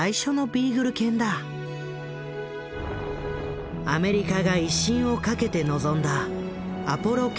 アメリカが威信をかけて臨んだ「アポロ計画」。